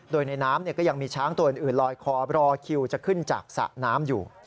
โดยในน้ำก็ยังมีช้างตัวอื่นลอยคอรอคิวจะขึ้นจากสระน้ำอยู่